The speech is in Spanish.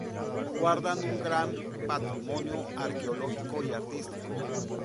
Guardan un gran patrimonio arqueológico y artístico.